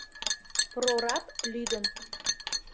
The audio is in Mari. Прораб лӱдын...